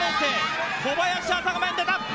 小林朝が前に出た！